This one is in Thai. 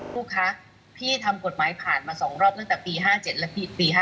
ลูกค้าพี่ทำกฎหมายผ่านมา๒รอบตั้งแต่ปี๕๗และปี๕๗